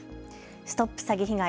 ＳＴＯＰ詐欺被害！